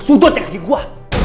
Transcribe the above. sudutnya ke gue